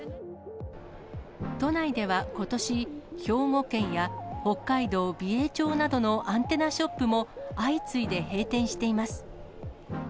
都内ではことし、兵庫県や北海道美瑛町などのアンテナショップも相次いで閉店しています。